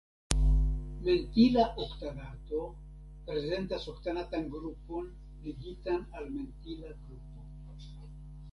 Mentila oktanato prezentas oktanatan grupon ligitan al mentila grupo.